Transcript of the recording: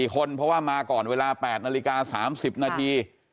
๔คนเพราะว่ามาก่อนเวลา๘นาฬิกา๓๐นาที